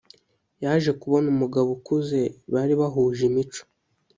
yaje kubona umugabo ukuze bari bahuje imico